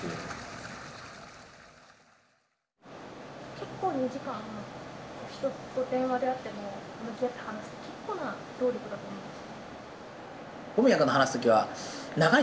結構２時間人と電話であっても向き合って話す結構な労力だと思うんです。